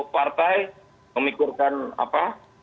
partai memikirkan apa